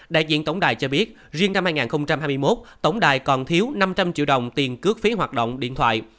đại diện tổng đài cho biết riêng năm hai nghìn hai mươi một tổng đài còn thiếu năm trăm linh triệu đồng tiền cước phí hoạt động điện thoại